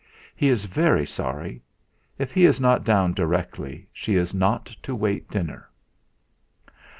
He is very sorry; if he is not down directly, she is not to wait dinner."